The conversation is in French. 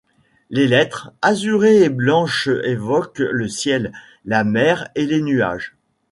Les lettres, azurées et blanches évoquent le ciel, la mer, et les nuages.